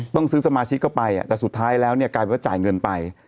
ต้องซื้อสมาชิกเข้าไปแต่สุดท้ายแล้วเนี่ยกลายเป็นว่าจ่ายเงินไป